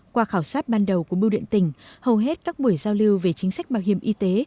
qua khảo sát ban đầu của bưu điện tỉnh hầu hết các buổi giao lưu về chính sách bảo hiểm y tế